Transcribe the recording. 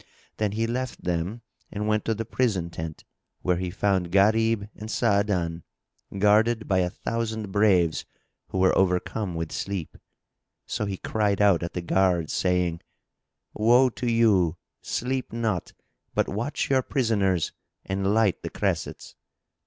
Then he left them and went to the prison tent, where he found Gharib and Sa'adan, guarded by a thousand braves, who were overcome with sleep. So he cried out at the guards, saying, "Woe to you! Sleep not; but watch your prisoners and light the cressets."